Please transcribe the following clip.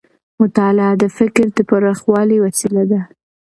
مطالعه د فکر د پراخوالي وسیله ده.